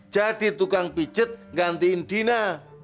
jadi tukang pijat gantiin dina